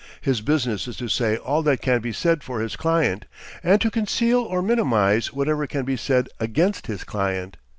His business is to say all that can be said for his client, and to conceal or minimise whatever can be said against his client.